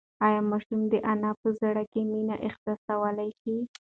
ایا ماشوم د انا په زړه کې مینه احساسولی شي؟